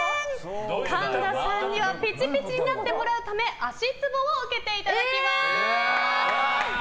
神田さんにはピチピチになってもらうため足ツボを受けていただきます。